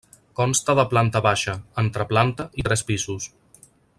Consta de planta baixa, entreplanta i tres pisos.